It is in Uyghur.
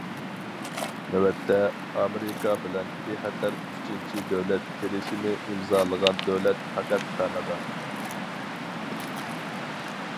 نۆۋەتتە، ئامېرىكا بىلەن« بىخەتەر ئۈچىنچى دۆلەت» كېلىشىمى ئىمزالىغان دۆلەت پەقەت كانادا.